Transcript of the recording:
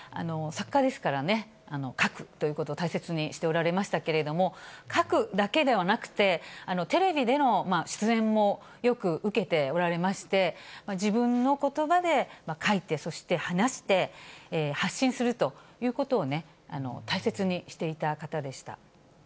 作家ですからね、書くということを大切にしておられましたけれども、書くだけではなくて、テレビでの出演もよく受けておられまして、自分のことばで書いて、そして話して、発信するということを大切にしていた方でした。